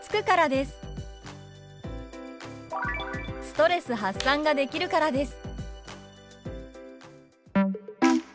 「ストレス発散ができるからです」。